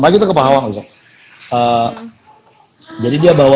maka gitu ke pahawang bisa